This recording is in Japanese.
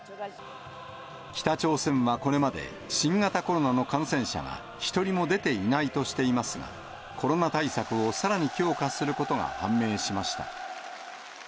北朝鮮はこれまで、新型コロナの感染者は１人も出ていないとしていますが、コロナ対策をさらに強化することが判明しました。